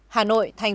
hà nội tp hcm